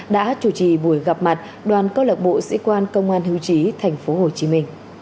đã chủ trì buổi gặp mặt đoàn câu lạc bộ sĩ quan công an hưu trí tp hcm